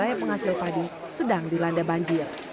wilayah penghasil padi sedang dilanda banjir